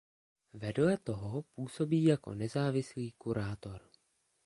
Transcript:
Vedle toho působí jako nezávislý kurátor.